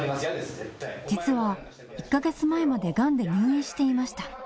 実は１か月前までがんで入院していました。